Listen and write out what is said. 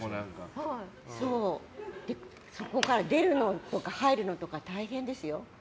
そこから出るのとか入るのとか大変ですよ。